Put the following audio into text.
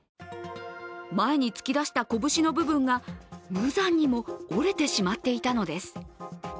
前に突き出した拳の部分が無残にも折れてしまっていたのです。